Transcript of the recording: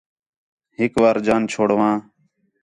ہِک وار جان چھوڑ واں